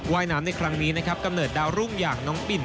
ว่ายน้ำในครั้งนี้นะครับกำเนิดดาวรุ่งอย่างน้องปิ่น